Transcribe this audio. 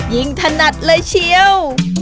ยิ่งถนัดเลยเชียว